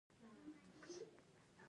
د اټروفي د حجرو کمېدل دي.